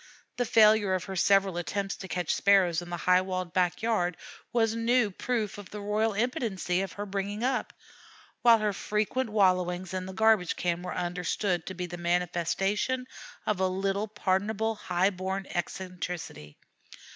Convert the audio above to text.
The failure of her several attempts to catch Sparrows in the high walled back yard was new proof of the royal impotency of her bringing up; while her frequent wallowings in the garbage can were understood to be the manifestation of a little pardonable high born eccentricity.